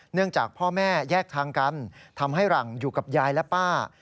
จากพ่อแม่แยกทางกันทำให้หลังอยู่กับยายและป้า